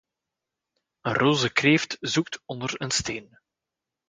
Een roze kreeft zoekt onder een steen.